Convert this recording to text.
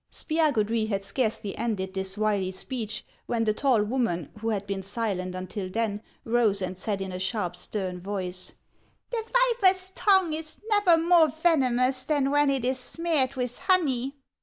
Spiagudry had scarcely ended this wily speech, when the tall woman, who had been silent until then, rose, and said in a sharp, stern voice, " The viper's tongue is never more venomous than when it is smeared with honey."